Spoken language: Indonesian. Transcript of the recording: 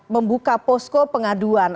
membuka posko pengaduan